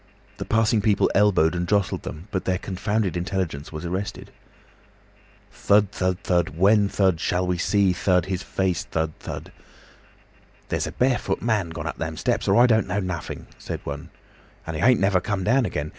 The passing people elbowed and jostled them, but their confounded intelligence was arrested. 'Thud, thud, thud, when, thud, shall we see, thud, his face, thud, thud.' 'There's a barefoot man gone up them steps, or I don't know nothing,' said one. 'And he ain't never come down again.